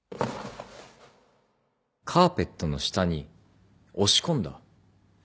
カーペットの下に押し込んだ。